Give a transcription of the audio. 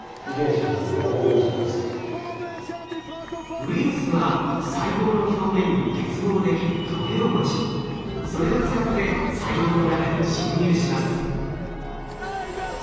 ウイルスは細胞の表面に結合できるトゲを持ちそれを使って細胞の中に侵入します。